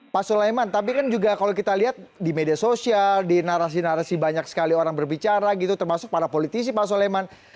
pak sulaiman tapi kan juga kalau kita lihat di media sosial di narasi narasi banyak sekali orang berbicara gitu termasuk para politisi pak soleman